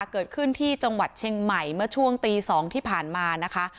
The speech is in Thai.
เกิดขึ้นที่จังหวัดเชียงใหม่เมื่อช่วงตี๒ที่ผ่านมานะคะ